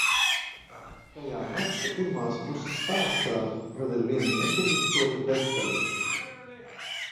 Tajā marta pirmās puses stāstā vēl ir viena nepubliskota detaļa.